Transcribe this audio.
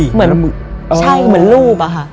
เช่าเหมือนรูปอะค่ะ